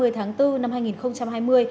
ba mươi tháng bốn năm hai nghìn hai mươi